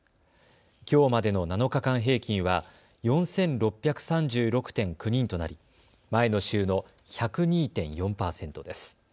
きょうまでの７日間平均は４６３６．９人となり前の週の１０２．４％です。